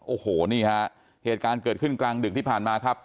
โอ้โหนี่ฮะเหตุการณ์เกิดขึ้นกลางดึกที่ผ่านมาครับ